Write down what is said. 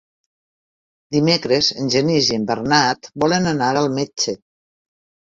Dimecres en Genís i en Bernat volen anar al metge.